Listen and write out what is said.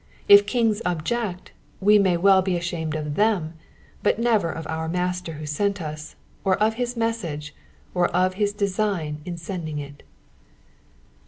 If kings object, we may well be ashamed of them, but never of our Master who sent us, or of his message, or of his design in sending it.